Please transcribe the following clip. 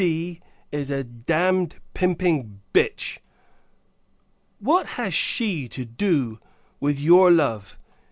D is a damned pimping bitch! What has she to do with your love?